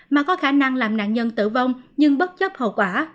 mà có khả năng làm nạn nhân tử vong nhưng bất chấp hậu quả